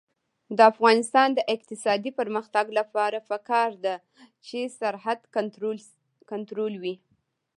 د افغانستان د اقتصادي پرمختګ لپاره پکار ده چې سرحد کنټرول وي.